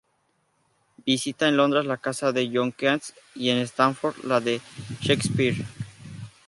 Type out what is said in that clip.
Visita en Londres la casa de John Keats y en Stratford la de Shakespeare.